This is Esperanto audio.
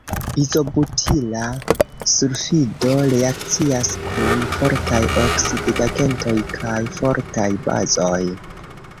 Izobutila sulfido reakcias kun fortaj oksidigagentoj kaj fortaj bazoj.